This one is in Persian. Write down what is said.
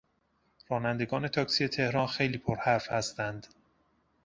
رانندگان تاکسی تهران خیلی پرحرف هستند.